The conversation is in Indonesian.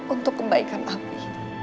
untuk kebaikan abi